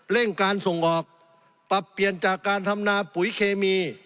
เร่งการส่งออกปรับเปลี่ยนจากการทำนาปุ๋ยเคมี